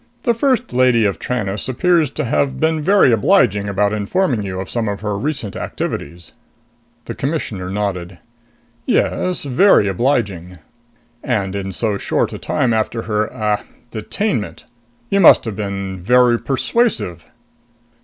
The First Lady of Tranest appears to have been very obliging about informing you of some of her recent activities." The Commissioner nodded. "Yes, very obliging." "And in so short a time after her, ah, detainment. You must have been very persuasive?"